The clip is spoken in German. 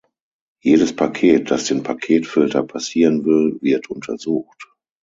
Jedes Paket, das den Paketfilter passieren will, wird untersucht.